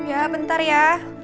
ya bentar ya